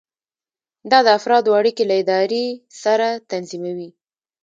دا د افرادو اړیکې له ادارې سره تنظیموي.